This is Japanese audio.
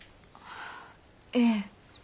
ええ。